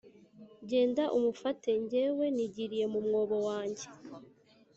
genda umufate, jyewe nigiriye mu mwobo wanjye